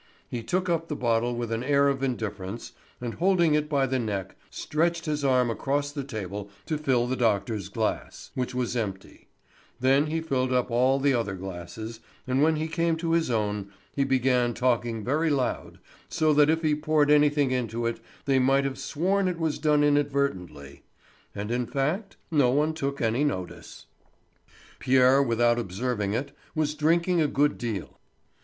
He took up the bottle with an air of indifference, and holding it by the neck, stretched his arm across the table to fill the doctor's glass, which was empty; then he filled up all the other glasses, and when he came to his own he began talking very loud, so that if he poured anything into it they might have sworn it was done inadvertently. And in fact no one took any notice. Pierre, without observing it, was drinking a good deal.